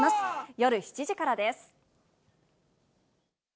夜７時からです。